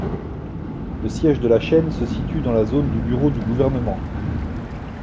Le siège de la chaîne se situe dans la zone du bureau du gouvernement.